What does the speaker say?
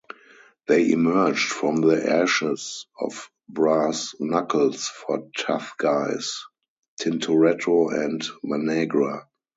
They emerged from the ashes of Brass Knuckles for Tough Guys, Tintoretto and Managra.